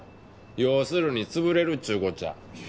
要するに潰れるっちゅうこっちゃ。